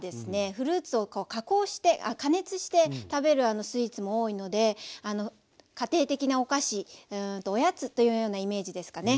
フルーツをこう加熱して食べるスイーツも多いので家庭的なお菓子うんとおやつというようなイメージですかね。